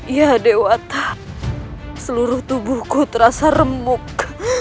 ya dewata seluruh tubuhku terasa remuk